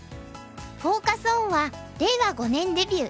フォーカス・オンは「令和五年デビュー！